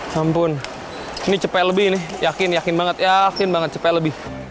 ya ampun ini cepat lebih nih yakin yakin banget yakin banget cepat lebih